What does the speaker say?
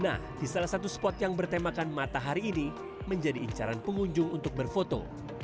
nah di salah satu spot yang bertemakan matahari ini menjadi incaran pengunjung untuk berfoto